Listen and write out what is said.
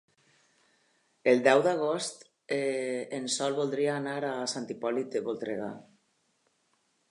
El deu d'agost en Sol voldria anar a Sant Hipòlit de Voltregà.